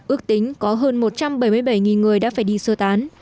ước tính có hơn một trăm bảy mươi bảy người đã phải đi sơ tán